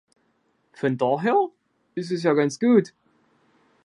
Von daher ist es ja ganz gut.